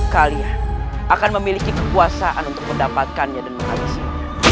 kalian akan memiliki kekuasaan untuk mendapatkannya dan menghabisi